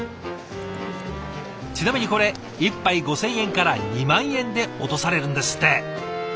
ちなみにこれ１杯５千円から２万円で落とされるんですって。